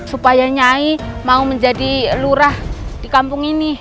supaya nyai mau menjadi lurah di kampung ini